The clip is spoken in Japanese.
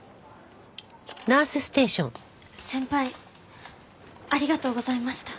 先輩ありがとうございました。